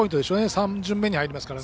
３巡目に入りますから。